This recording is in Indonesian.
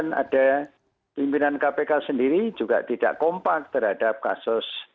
dan ada pimpinan kpk sendiri juga tidak kompak terhadap kasus